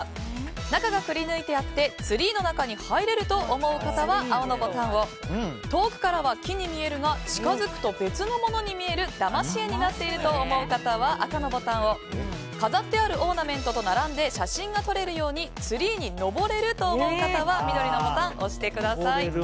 中がくりぬいてあってツリーの中に入れると思う方は青のボタンを遠くから見ると木に見えるが近づくと別のものに見えるだまし絵になっていると思う方は赤のボタンを飾ってあるオーナメントと並んで写真が撮れるようにツリーに登れるという方は緑のボタンを押してください。